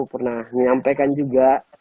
pernah menyampaikan juga